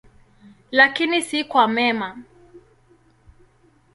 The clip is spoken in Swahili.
Lakini si kwa mema.